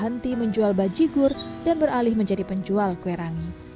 berhenti menjual bajigur dan beralih menjadi penjual kue rangi